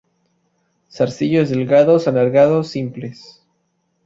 Zarcillos delgados, alargados, simples.